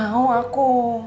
nggak mau aku